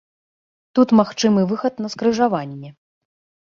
Тут магчымы выхад на скрыжаванне.